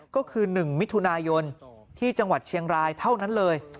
ก็คือ๑มิถุนายนที่จังหวัดเชียงรายเท่านั้นเลย